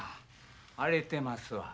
荒れてますわ。